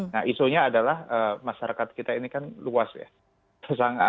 nah isunya adalah masyarakat kita ini kan luas ya